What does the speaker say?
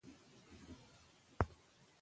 په افغانستان کې بزګان د خلکو له اعتقاداتو سره دي.